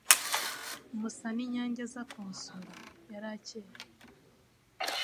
Musaninyange aza kunsura yarakeye